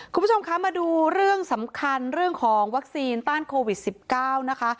คุณผู้ชมคะมาดูเรื่องสำคัญเรื่องของวัคซีนต้านโควิด๑๙นะคะ